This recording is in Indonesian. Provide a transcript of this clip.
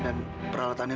dan peralatan yang